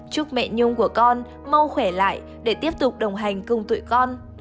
chúc mẹ nhung của con mau khỏe lại để tiếp tục đồng hành cùng tụi con